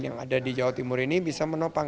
yang ada di jawa timur ini bisa menopang